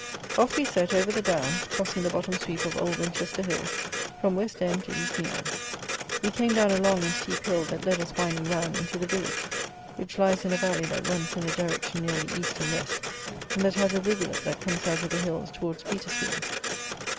Off we set over the downs (crossing the bottom sweep of Old Winchester Hill) from West End to East Meon. We came down a long and steep hill that led us winding round into the village, which lies in a valley that runs in a direction nearly east and west, and that has a rivulet that comes out of the hills towards Petersfield.